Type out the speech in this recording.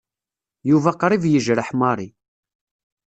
Yuba qrib yejreḥ Mary.